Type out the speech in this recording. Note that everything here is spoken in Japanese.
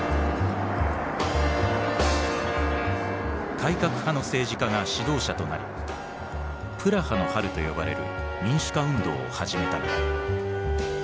改革派の政治家が指導者となり「プラハの春」と呼ばれる民主化運動を始めたのだ。